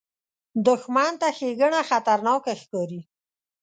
دښمن ته ښېګڼه خطرناکه ښکاري